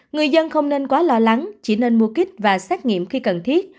người dân không nên quá lo lắng chỉ nên mua kích và xét nghiệm khi cần thiết